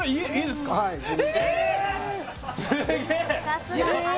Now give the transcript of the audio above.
すげえ